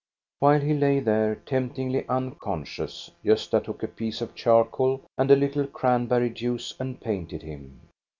While he lay there, temptingly unconscious, Gosta took a piece of charcoal and a httle cranberry juice and painted him.